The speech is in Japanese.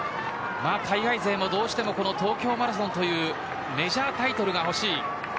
海外勢も東京マラソンというメジャータイトルが欲しい。